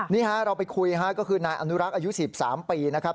นี่ฮะเราไปคุยฮะก็คือนายอนุรักษ์อายุ๑๓ปีนะครับ